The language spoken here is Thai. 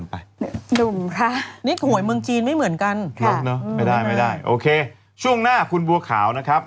อันนี้ก็ห่วยเมืองจีนไม่เหมือนกันไม่ได้โอเคช่วงหน้าคุณบัวขาวนะครับ